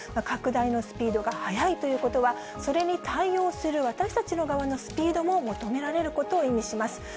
拡大のスピードが速いということは、それに対応する私たちの側のスピードも求められることを意味します。